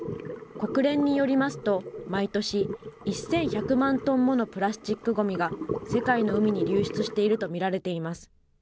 国連によりますと、毎年１１００万トンものプラスチックごみが、世界の海に流出していると見られています。